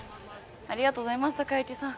ありがとうございます孝之さん。